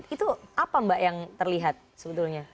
itu apa mbak yang terlihat sebetulnya